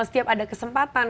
setiap ada kesempatan